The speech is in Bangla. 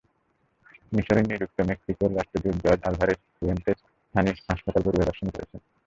মিসরে নিযুক্ত মেক্সিকোর রাষ্ট্রদূত জর্জ আলভারেজ ফুয়েন্তেস স্থানীয় হাসপাতাল পরিদর্শন করেছেন।